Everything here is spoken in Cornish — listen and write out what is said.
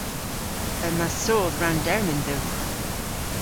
Yma soodh rann-termyn dhywgh.